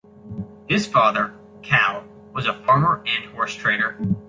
His father, Kalle, was a farmer and horse-trader.